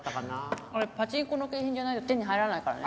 あれパチンコの景品じゃないと手に入らないからね。